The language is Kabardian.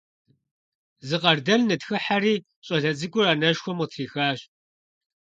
Зы къардэн нытхыхьэри, щӀалэ цӀыкӀур анэшхуэм къытрихащ.